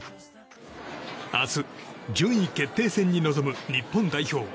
明日、順位決定戦に臨む日本代表。